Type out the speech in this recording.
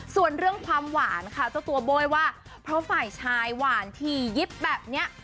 ส่วนเรื่องความหวานค่ะเจ้าตัวโบ้ยว่าเพราะฝ่ายชายหวานถี่ยิบแบบนี้